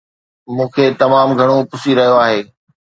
مون کي تمام گهڻو پسي رهيو آهي